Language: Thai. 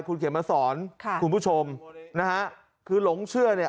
คุณเขียนมาสอนค่ะคุณผู้ชมนะฮะคือหลงเชื่อเนี่ย